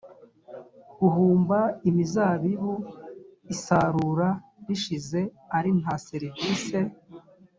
guhumba imizabibu isarura rishize ari nta serivise